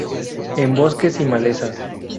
En bosques y malezas.